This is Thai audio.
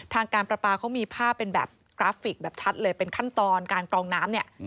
ทางการประปาเขามีภาพเป็นแบบกราฟิกแบบชัดเลยเป็นขั้นตอนการกรองน้ำเนี่ย